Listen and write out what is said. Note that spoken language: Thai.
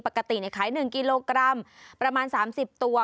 ปกติขาย๑กิโลกรัมประมาณ๓๐ตัว